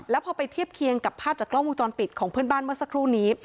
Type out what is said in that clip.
แล้วพอไปเทียบเคียงกับภาพจากกล้องวงจรปิดของเพื่อนบ้านเมื่อสักครู่นี้